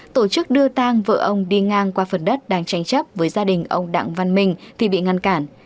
tổ chức đưa tang vợ ông đi ngang qua phần đất đang tranh chấp với gia đình ông đặng văn minh thì bị ngăn cản